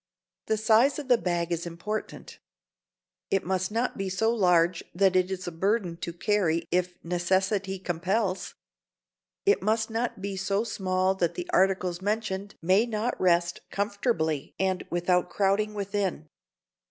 The size of the bag is important. It must not be so large that it is a burden to carry if necessity compels. It must not be so small that the articles mentioned may not rest comfortably and without crowding within.